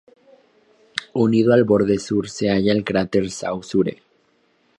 Unido al borde sur se halla el cráter Saussure.